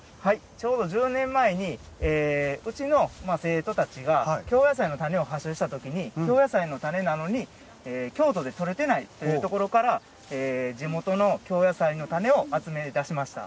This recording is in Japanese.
ちょうど１０年前にうちの生徒たちが京野菜の種なのに京都でとれてないというところから地元の京野菜の種を集めだしました。